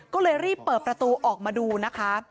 ก็เลยรีบเปิดประตูออกมาดูนะคะ